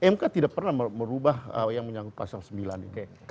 mk tidak pernah merubah yang menyangkut pasal sembilan itu